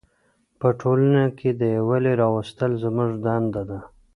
په ټولنه کې د یووالي راوستل زموږ دنده ده.